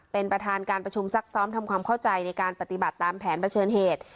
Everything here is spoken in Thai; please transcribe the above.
เป็นประธานการประชุมซักซ้อมทำความเข้าใจในการปฏิบัติตามแผนเผชิญเหตุ